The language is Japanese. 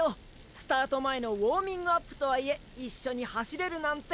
スタート前のウォーミングアップとはいえ一緒に走れるなんて。